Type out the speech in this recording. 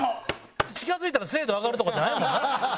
近付いたら精度上がるとかじゃないもんな。